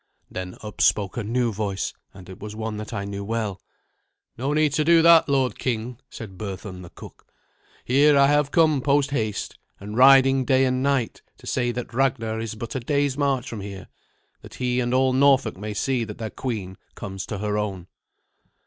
Then up spoke a new voice, and it was one that I knew well. "No need to do that, lord king," said Berthun the cook. "Here have I come posthaste, and riding day and night, to say that Ragnar is but a day's march from here, that he and all Norfolk may see that their queen comes to her own."